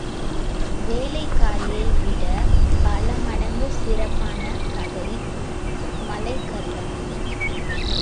வேலைக்காரியை விடப் பலமடங்கு சிறப்பான கதை மலைக்கள்ளன்.